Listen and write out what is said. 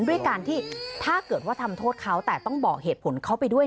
ด้วยการที่ถ้าเกิดว่าทำโทษเขาแต่ต้องบอกเหตุผลเขาไปด้วย